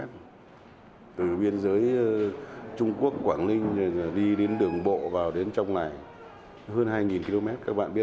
từ biên giới trung quốc quảng ninh đi đến đường bộ vào đến trong này hơn hai km các bạn biết